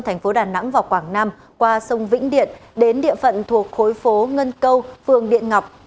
thành phố đà nẵng và quảng nam qua sông vĩnh điện đến địa phận thuộc khối phố ngân câu phường điện ngọc